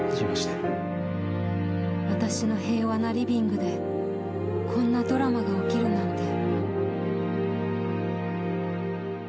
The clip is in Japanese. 私の平和なリビングでこんなドラマが起きるなんて。